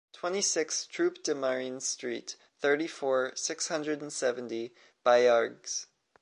twenty-six Troupes des Marines street, thirty-four, six hundred and seventy, Baillargues